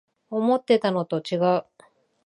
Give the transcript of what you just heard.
思ってたのとちがう